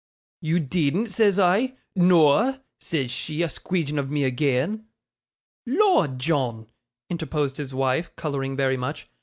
"You deedn't?" says I. "Noa," says she, a squeedgin of me agean.' 'Lor, John!' interposed his pretty wife, colouring very much.